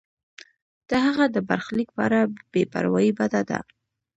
د هغه د برخلیک په اړه بې پروایی بده ده.